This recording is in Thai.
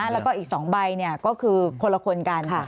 แล้วก็อีก๒ใบก็คือคนละคนกัน